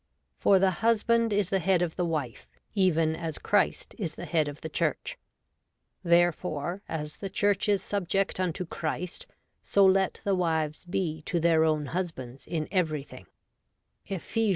For the husband is the head of the wife, even as Christ is the head of the Church .... therefore, as the Church is subject unto Christ, so let the wives be to their own husbands in everything' (Ephes.